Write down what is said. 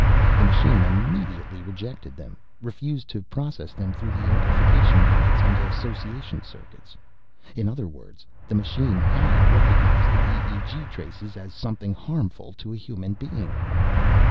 The machine immediately rejected them, refused to process them through the amplification units and association circuits. In other words, the machine had recognized the EEG traces as something harmful to a human being.